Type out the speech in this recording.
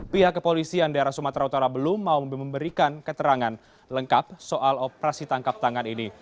pihak kepolisian daerah sumatera utara belum mau memberikan keterangan lengkap soal operasi tangkap tangan ini